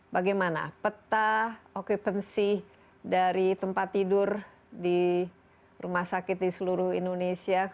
bagaimana peta okupansi dari tempat tidur di rumah sakit di seluruh indonesia